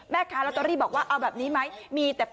แม่คานลอตเตอรี่บอกว่าเอาแบบนี้ไหมมีแต่๘๙๓